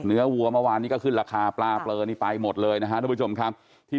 วัวเมื่อวานนี้ก็ขึ้นราคาปลาเปลือนี่ไปหมดเลยนะฮะทุกผู้ชมครับที่